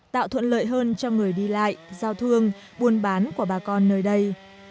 tạo thuận lợi hơn cho người đi lại giao thương buôn bán của bà con nơi đây